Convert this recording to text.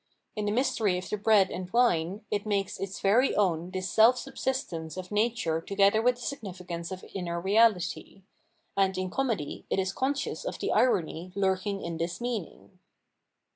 In the mystery of the bread and wine it makes its very own this self subsistence of nature together with the significance of inner reality ; and in Comedy it is conscious of the irony lurking in this meaning.